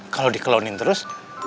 kalo di klonin terus